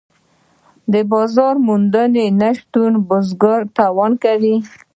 د بازار موندنې نشتون بزګر تاواني کوي.